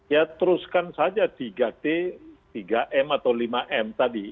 ya teruskan saja tiga t tiga m atau lima m tadi